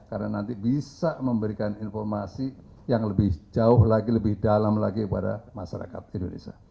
karena nanti bisa memberikan informasi yang lebih jauh lagi lebih dalam lagi kepada masyarakat indonesia